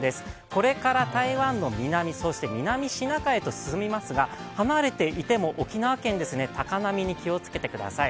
これから台湾の南、そして南シナ海へと進みますが、離れていても沖縄県、高波に気をつけてください。